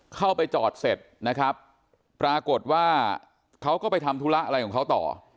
เข้าไปจอดเสร็จนะครับปรากฏว่าเขาก็ไปทำธุระอะไรของเขาต่อ